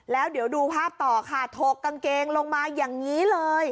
แล้วเดี๋ยวดูภาพต่อค่ะถกกางเกงลงมาอย่างนี้เลย